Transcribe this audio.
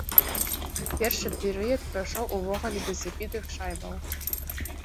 Першы перыяд прайшоў увогуле без забітых шайбаў.